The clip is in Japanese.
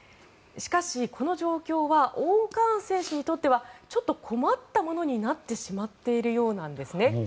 しかしこの状況は−Ｏ−カーン選手にとってはちょっと困ったものになってしまっているようです。